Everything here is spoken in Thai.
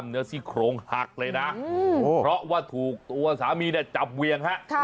ซี่โครงหักเลยนะเพราะว่าถูกตัวสามีเนี่ยจับเวียงฮะ